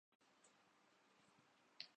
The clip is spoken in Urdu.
یہ کس خلش نے پھر اس دل میں آشیانہ کیا